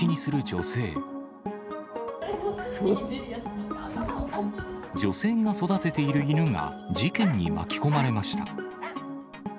女性が育てている犬が事件に巻き込まれました。